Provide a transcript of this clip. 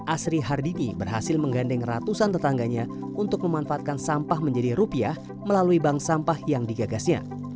asri hardini berhasil menggandeng ratusan tetangganya untuk memanfaatkan sampah menjadi rupiah melalui bank sampah yang digagasnya